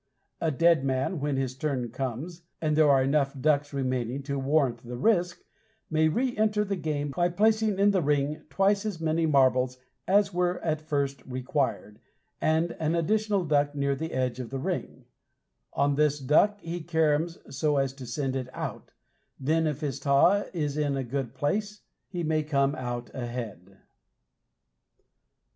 A dead man, when his turn comes, and there are enough ducks remaining to warrant the risk, may re enter the game by placing in the ring twice as many marbles as were at first required, and an additional duck near the edge of the ring; on this duck he caroms so as to send it out, then if his taw is in a good place, he may come out ahead.